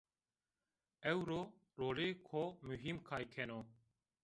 Ewro rolêko muhîm kay keno